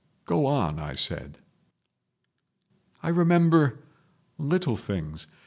"Go on," I said. "I remember little things.